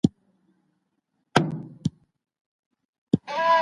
مردم د هغه مړینه ومنله.